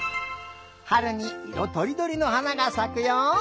はるにいろとりどりのはながさくよ。